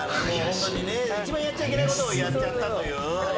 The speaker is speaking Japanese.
一番やっちゃいけないことをやっちゃったという。